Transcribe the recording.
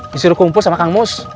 disuruh kumpul sama kang mus